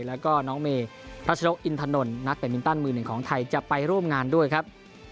แล้วก็น้องเมรัชนกอินทนนท์นักเป็นมินตันมือหนึ่งของไทยจะไปร่วมงานด้วยครับ